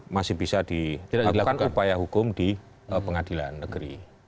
masih bisa dilakukan upaya hukum di pengadilan negeri